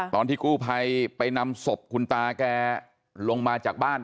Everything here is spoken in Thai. ตอนที่กู้ภัยไปนำศพคุณตาแกลงมาจากบ้าน